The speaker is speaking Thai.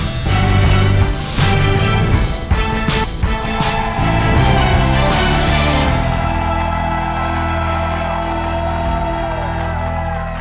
สวัสดีครับ